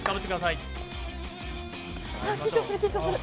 緊張する、緊張する。